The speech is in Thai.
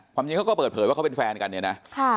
จริงเขาก็เปิดเผยว่าเขาเป็นแฟนกันเนี่ยนะ